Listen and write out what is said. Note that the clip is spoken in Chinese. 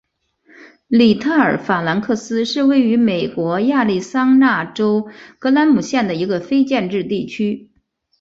里特尔法兰克斯是位于美国亚利桑那州葛兰姆县的一个非建制地区。